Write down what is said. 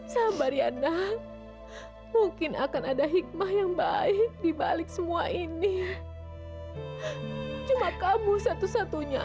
sampai jumpa di video selanjutnya